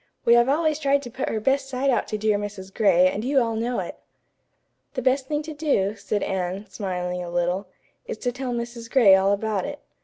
"We have always tried to put her best side out to dear Mrs. Gray, and you all know it." "The best thing to do," said Anne, smiling a little, "is to tell Mrs. Gray all about it.